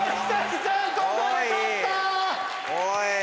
おい！